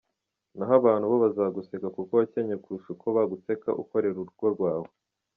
naho abantu bo bazaguseka kuko wakennye kurusha uko baguseka ukorera urugo rwawe.